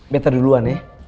beta duluan ya